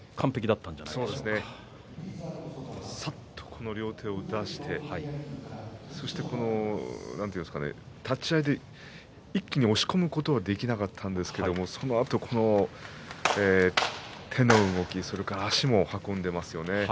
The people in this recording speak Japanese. さっと両手を出して立ち合いで一気に押し込むことはできなかったんですけどそのあと、手の動きそれから足を運んでいますよね。